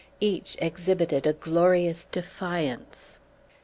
Each exhibited a glorious defiance.